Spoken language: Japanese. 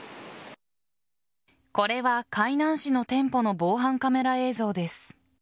これは海南市の店舗の防犯カメラ映像です。